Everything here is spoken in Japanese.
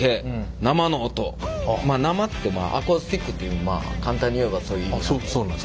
「生」ってアコースティックというまあ簡単にいえばそういう意味なんで。